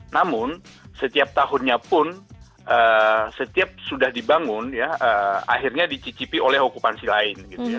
namun setiap tahunnya pun setiap sudah dibangun ya akhirnya dicicipi oleh okupansi lain